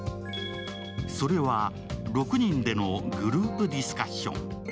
それは６人でのグループディスカッション。